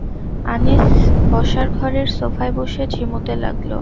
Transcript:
আনিস বসার ঘরের সোফায় বসে ঝিমুতে লাগল।